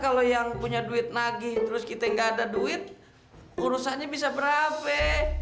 kalau yang punya duit lagi terus kita enggak ada duit urusannya bisa berapa